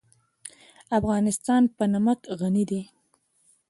افغانستان په نمک غني دی.